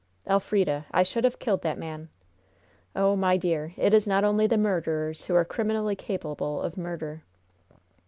Elfrida, I should have killed that man! Oh, my dear, it is not only the murderers who are criminally capable of murder!"